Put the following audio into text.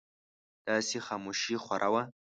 داسې خاموشي خوره وه.